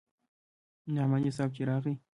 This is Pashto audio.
نعماني صاحب چې راغى.